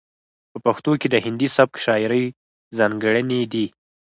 په پښتو کې د هندي سبک شاعرۍ ځاتګړنې دي.